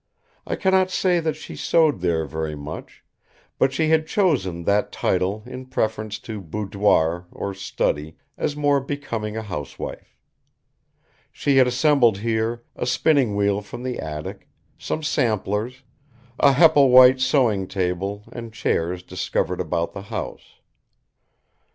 I cannot say that she sewed there very much, but she had chosen that title in preference to boudoir or study as more becoming a housewife. She had assembled here a spinning wheel from the attic, some samplers, a Hepplewhite sewing table and chairs discovered about the house.